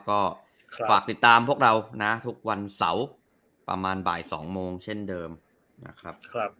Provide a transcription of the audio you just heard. ก็ฝากติดตามพวกเรานะทุกวันเสาร์ประมาณบ่าย๒โมงเช่นเดิมนะครับ